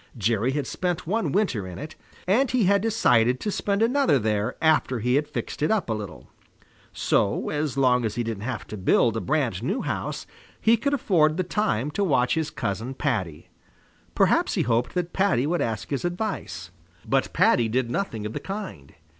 Jerry had spent one winter in it, and he had decided to spend another there after he had fixed it up a little. So, as long as he didn't have to build a brand new house, he could afford the time to watch his cousin Paddy. Perhaps he hoped that Paddy would ask his advice. But Paddy did nothing of the kind.